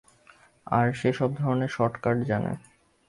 আর সে সব ধরনের শর্টকাট জানে।